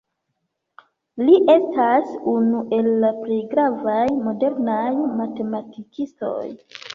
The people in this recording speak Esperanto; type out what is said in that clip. Li estas unu el la plej gravaj modernaj matematikistoj.